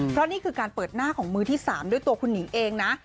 เพราะนี่คือการเปิดหน้าของมือที่๓ด้วยตัวคุณหนิงเองนะ